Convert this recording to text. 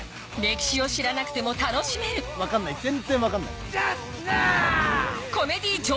歴史を知らなくても楽しめる分かんない全然分かんない。